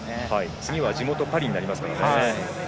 次は地元パリになりますからね。